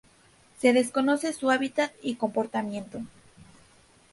Se desconocen su hábitat y comportamiento.